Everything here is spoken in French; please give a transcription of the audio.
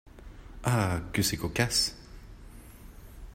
Ah ! que c’est cocasse !